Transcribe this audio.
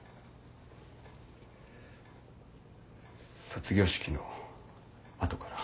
卒業式の後から。